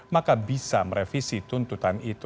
maka bisa merevisi tuntutan itu